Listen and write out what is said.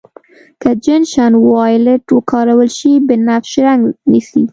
که جنشن وایولېټ وکارول شي بنفش رنګ نیسي.